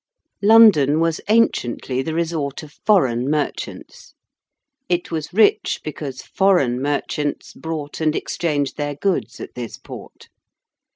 London was anciently the resort of 'foreign' merchants. It was rich because 'foreign' merchants brought and exchanged their goods at this port.